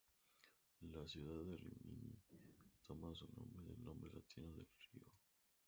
La ciudad de Rímini toma su nombre del nombre latino del río.